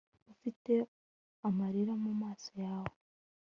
Ufite amarira mu maso yawe